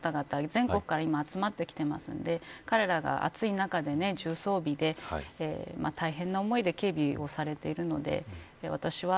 全国から今集まってきているので彼らが暑い中で重装備で大変な思いで警備をされているので私は